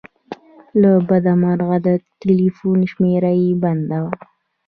له بده مرغه د ټیلیفون شمېره یې بنده وه.